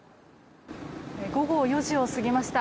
午後４時を過ぎました。